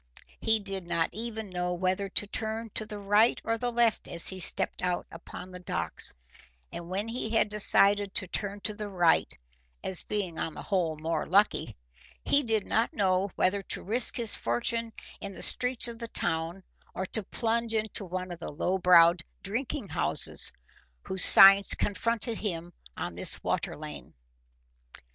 He did not even know whether to turn to the right or the left as he stepped out upon the docks, and when he had decided to turn to the right as being on the whole more lucky, he did not know whether to risk his fortune in the streets of the town or to plunge into one of the low browed drinking houses whose signs confronted him on this water lane.